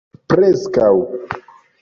preskaŭ